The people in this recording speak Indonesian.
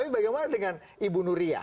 bagaimana dengan ibu nuria